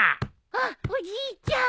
あっおじいちゃん。